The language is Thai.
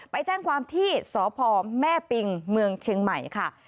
ไปแจ้งความที่สพแม่ปิงเชียงใหม่